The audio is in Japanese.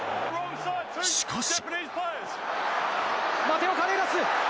しかし。